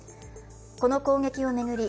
この攻撃を巡り